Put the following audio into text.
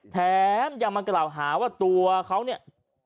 แถมยังมากล่าวหาว่าตัวเขาเนี่ย